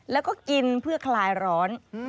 แล้วก็กินเพื่อคลายร้อน